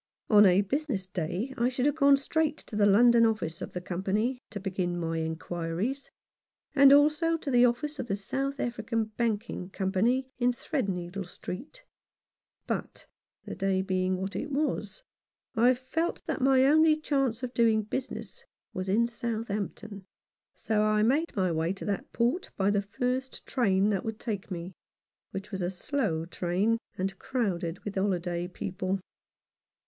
On a business day I should have gone straight to the London office of the Company to begin my inquiries, and also to the office of the South African Banking Com pany in Threadneedle Street, but the day being what it was, I felt that my only chance of doing business was at Southampton, so I made my way to that port by the first train that would take me, which was a slow train, and crowded with holiday people.